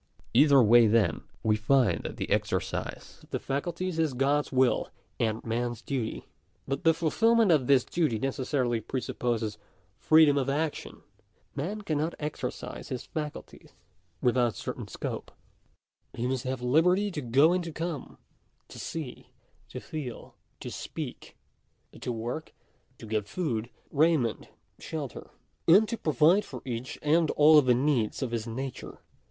Either way then, we find that the exercise of ithe facul ties is God's will and man's duty. » But the fulfilment of this duty necessarily presupposes free 'dom of action. Man cannot exercise his faculties without Digitized by VjOOQIC DERIVATION OF A FIRST PRINCIPLE. 77 certain scope. He must have liberty to go and to come, to see, to feel, to speak, to work; to get food, raiment, shelter, 1 and to provide for each and all of the needs of his nature.